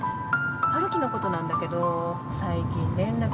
陽樹のことなんだけど最近連絡つかないし